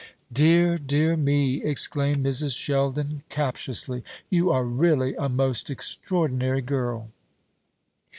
"Dear, dear me!" exclaimed Mrs. Sheldon captiously, "you are really a most extraordinary girl."